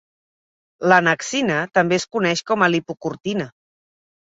L'annexina també es coneix com a "lipocortina".